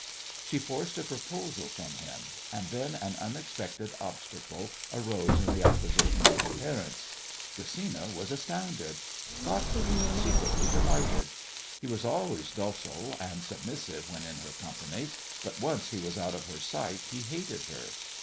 She forced a proposal from him, and then an unexpected obstacle arose in the opposition of her parents. Gesina was astounded; Gottfried secretly delighted. He was always docile and submissive when in her company, but once he was out of her sight he hated her.